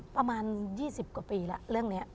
ประมาณ๒๐กว่าปีแล้วเรื่องนี้